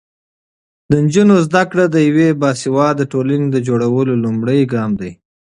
د نجونو زده کړه د یوې باسواده ټولنې د جوړولو لومړی ګام دی.